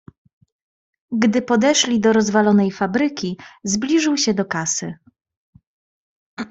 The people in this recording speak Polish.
"Gdy podeszli do rozwalonej fabryki, zbliżył się do kasy."